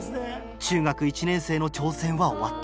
中学１年生の挑戦は終わった。